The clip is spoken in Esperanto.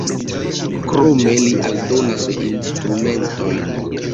Krome li aldonas instrumentojn.